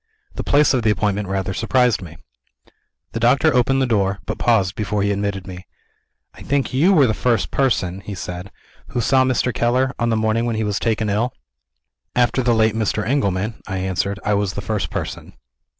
The place of the appointment rather surprised me. The doctor opened the door but paused before he admitted me. "I think you were the first person," he said, "who saw Mr. Keller, on the morning when he was taken ill?" "After the late Mr. Engelman," I answered, "I was the first person.